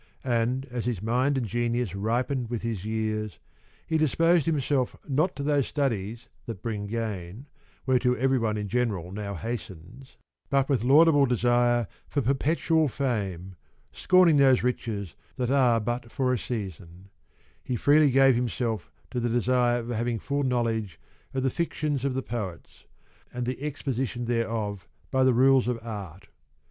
And as his mind and genius ripened with his years, he disposed himself not to those studies that bring gain, whereto every'one in general now hastens, but with laudable desire for perpetual fame, scorning those riches that are but for a season, he freely gave himself to the desire of having full knowledge of the fictions of the poets, and the exposition thereof by the rules of art.